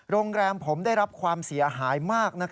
โรงแรมผมได้รับความเสียหายมาก